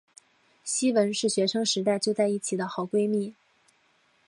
希汶是学生时代就在一起的好闺蜜。